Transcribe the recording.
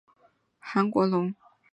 模式种是宝城韩国龙。